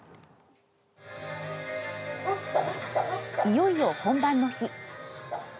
いよいよ本番の日。